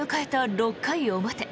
６回表。